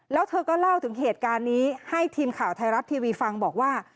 แล้วเธอก็เล่าถึงเหตุการณ์นี้ให้ทีมข่าวไทยรัฐทีวีฟังบอกว่า